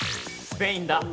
スペインだ。